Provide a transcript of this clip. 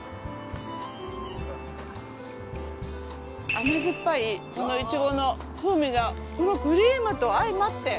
甘酸っぱいこの苺の風味がこのクリームと相まって！